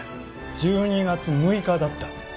１２月６日だった